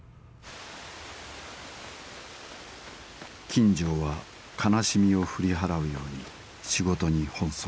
金城は悲しみを振り払うように仕事に奔走した。